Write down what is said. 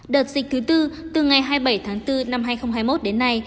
đợt dịch thứ tư từ ngày hai mươi bảy tháng bốn năm hai nghìn hai mươi một đến nay